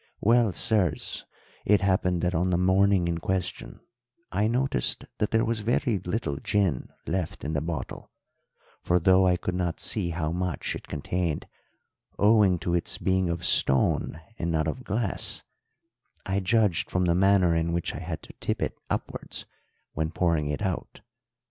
"Well, sirs, it happened that on the morning in question, I noticed that there was very little gin left in the bottle; for, though I could not see how much it contained, owing to its being of stone and not of glass, I judged from the manner in which I had to tip it upwards when pouring it out.